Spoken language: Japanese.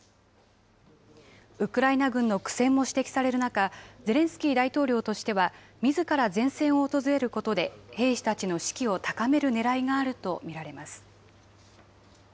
ウクライナ軍の苦戦も指摘される中、ゼレンスキー大統領としてはみずから前線を訪れることで、兵士たちの士気を高めるねらいがあると見られます。